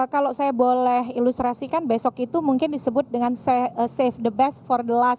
kalau saya boleh ilustrasikan besok itu mungkin disebut dengan safe the best for the last